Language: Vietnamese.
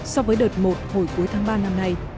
so với đợt một hồi cuối tháng ba năm nay